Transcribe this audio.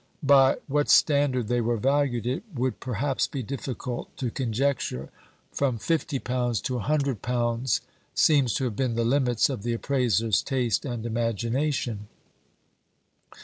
By what standard they were valued, it would perhaps be difficult to conjecture; from £50 to £100 seems to have been the limits of the appraiser's taste and imagination.